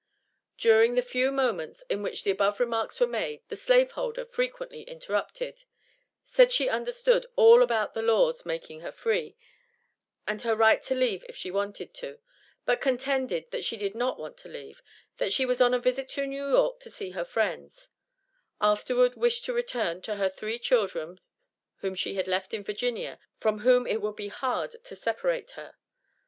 During the few moments in which the above remarks were made, the slaveholder frequently interrupted said she understood all about the laws making her free, and her right to leave if she wanted to; but contended that she did not want to leave that she was on a visit to New York to see her friends afterward wished to return to her three children whom she left in Virginia, from whom it would be HARD to separate her.